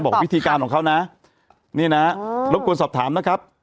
วิธีการของเขานะนี่นะรบกวนสอบถามนะครับ